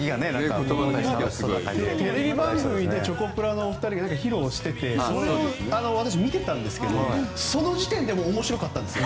テレビ番組でチョコプラのお二人が披露していてそれを私、見ていたんですがその時点で面白かったんです。